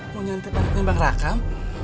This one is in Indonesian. mau nyantai banget ngebak rakam